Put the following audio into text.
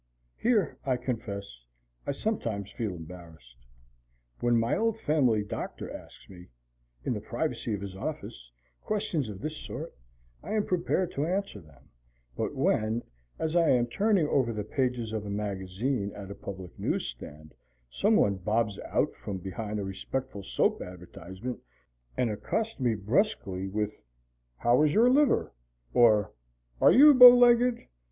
Here, I confess, I sometimes feel embarrassed. When my old family doctor asks me, in the privacy of his office, questions of this sort, I am prepared to answer them; but when, as I am turning over the pages of a magazine at a public news stand, someone bobs out from behind a respectful soap advertisement and accosts me brusquely with, "How is your liver?" or "Are you bowlegged?"